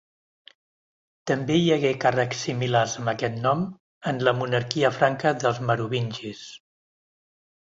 També hi hagué càrrecs similars amb aquest nom en la monarquia franca dels merovingis.